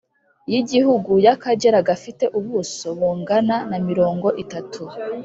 y Igihugu y Akagera gafite ubuso bungana na mirongo itatu